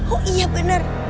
oh iya bener